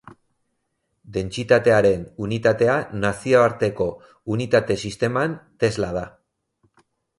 Dentsitatearen unitatea Nazioarteko Unitate Sisteman, tesla da.